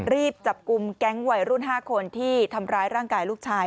รีบจับกลุ่มแก๊งวัยรุ่น๕คนที่ทำร้ายร่างกายลูกชาย